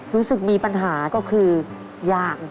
รู้สึกมีปัญหาก็คือยาง